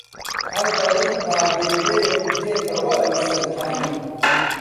هەر دەڵێی پابێدەیە و دێتەوە لەسەر کانی